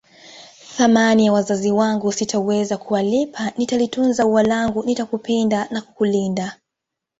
Thamani ya wazazi wangu sitoweza kuwalipa na nitalitunza ua langu nitakupenda na kukulinda